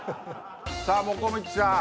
さあもこみちさん